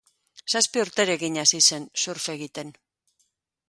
Zazpi urterekin hasi zen surf egiten.